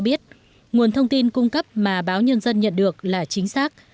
biết nguồn thông tin cung cấp mà báo nhân dân nhận được là chính xác